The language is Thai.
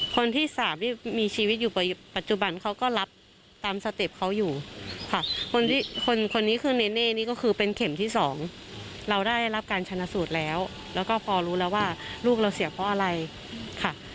คนที่สามที่มีชีวิตอยู่ปัจจุบันเขาก็รับตามสเต็ปเขาอยู่ค่ะคนนี้คือเนเน่นี่ก็คือเป็นเข็มที่สองเราได้รับการชนะสูตรแล้วแล้วก็พอรู้แล้วว่าลูกเราเสียเพราะอะไรค่ะ